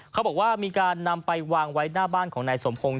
เขาบอกว่ามีการนำไปวางไว้หน้าบ้านของนายสมพงศ์